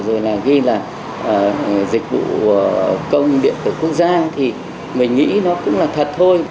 rồi là ghi là dịch vụ công điện tử quốc gia thì mình nghĩ nó cũng là thật thôi